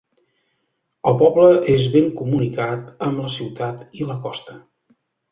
El poble és ben comunicat amb la ciutat i la costa.